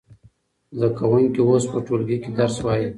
زده کوونکي اوس په ټولګي کې درس وايي.